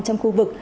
trong khu vực